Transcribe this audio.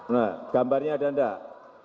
nah gambarnya ada enggak